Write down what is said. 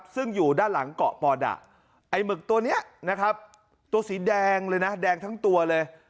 ซึ่งอยู่ด้านหลังเกาะปอดะไอ้หมึกตัวนี้นะครับตัวสีแดงเลยนะแดงทั้งตัวเลย